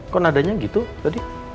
kok nadanya gitu tadi